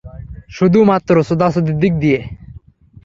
শুধু মাত্র চোদাচুদির দিক দিয়ে।